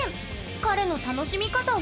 彼の楽しみ方は？